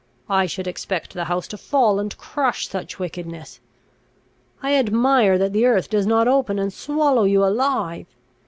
I should expect the house to fall and crush such wickedness! I admire that the earth does not open and swallow you alive!